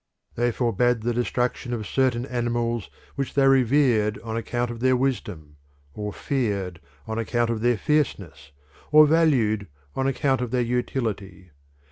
They forbade the destruction of certain animals which they revered on account of their wisdom, or feared on account of their fierceness, or valued on account of their utility.